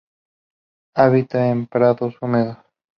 Habita en prados húmedos.